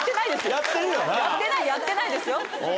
やってないやってないですよ。